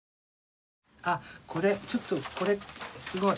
あこれちょっとこれすごい。